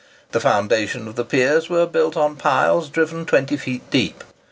The foundations of the piers were built on piles driven 20 feet deep.